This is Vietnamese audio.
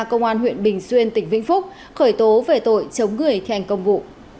công an huyện bình xuyên tỉnh vĩnh phúc khởi tố về tội chống người thi hành công vụ